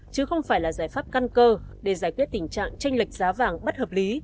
chứ không phải là giải pháp căn cơ để giải quyết tình trạng tranh lệch giá vàng bất hợp lý